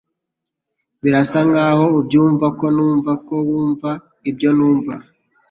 Birasa nkaho ubyumva ko numva ko wumva ibyo numva